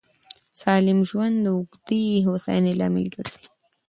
سالم ژوند د اوږدې هوساینې لامل ګرځي.